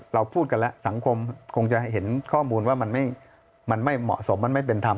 เราพูดกันแล้วสังคมคงจะเห็นข้อมูลว่ามันไม่เหมาะสมมันไม่เป็นธรรม